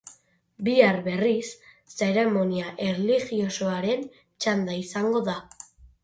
Bihar, berriz, zeremonia erlijiosoaren txanda izango da.